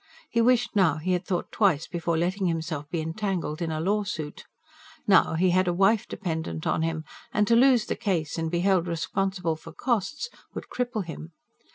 He wished now he had thought twice before letting himself be entangled in a lawsuit. Now, he had a wife dependent on him, and to lose the case, and be held responsible for costs, would cripple him.